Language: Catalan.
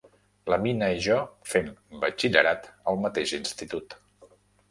La Mina i jo fem batxillerat al mateix institut.